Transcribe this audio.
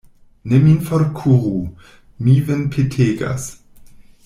Ne min forkuru; mi vin petegas.